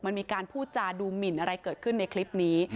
มันมีการพูดจาดูหมินอะไรเกิดขึ้นในคลิปนี้